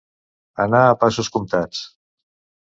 Anar a passos comptats.